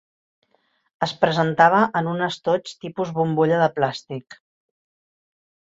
Es presentava en un estoig tipus bombolla de plàstic.